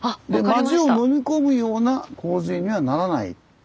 町をのみ込むような洪水にはならない。